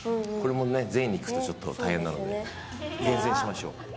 これも全員に聞くとちょっと大変なので厳選しましょう。